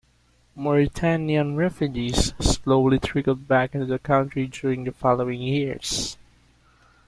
Mauritanian refugees slowly trickled back into the country during the following years.